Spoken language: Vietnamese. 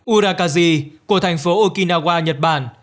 urakazi của thành phố okinawa nhật bản